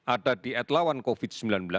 ada di atlawan covid sembilan belas